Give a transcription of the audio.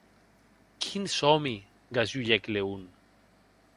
Quin sòmi!, gasulhèc Leon.